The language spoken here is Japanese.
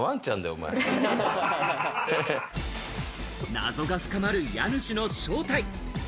謎が深まる家主の正体。